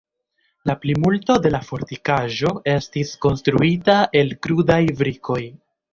La plimulto de la fortikaĵo estis konstruita el krudaj brikoj.